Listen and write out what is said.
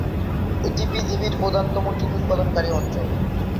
এটি পৃথিবীর প্রধানতম টিন উৎপাদনকারী অঞ্চল।